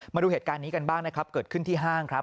มาดูเหตุการณ์นี้กันบ้างนะครับเกิดขึ้นที่ห้างครับ